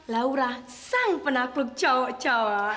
laura sang penakluk cowok cowok